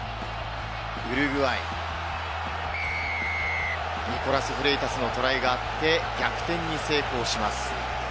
ウルグアイ、ニコラス・フレイタスのトライがあって逆転に成功します。